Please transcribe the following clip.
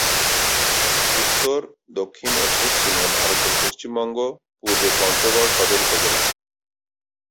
উত্তর, দক্ষিণ ও পশ্চিমে ভারতের পশ্চিমবঙ্গ, পূর্বে পঞ্চগড় সদর উপজেলা।